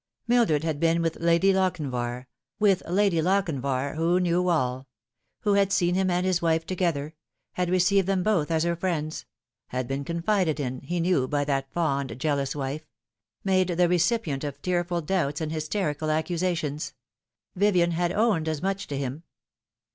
Mildred had been with Lady Lochinvar with Lady Lochin^ var, who knew all ; who had seen him and his wife together ; had received them both as her friends ; had been confided in, he knew, by that fond, jealous wife ; made the recipient of tearfftl doubts and hysterical accusations. Vivien had owned as much to him.